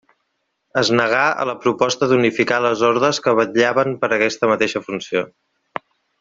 Es negà a la proposta d'unificar les ordes que vetllaven per aquesta mateixa funció.